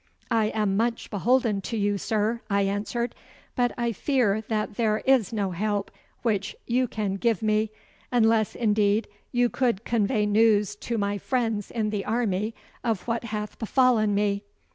'I am much beholden to you, sir,' I answered, 'but I fear that there is no help which you can give me, unless, indeed, you could convey news to my friends in the army of what hath befallen me.